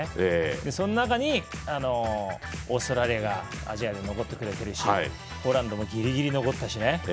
その中にオーストラリアがアジアで残ってくれてるしポーランドもギリギリ残ったしね。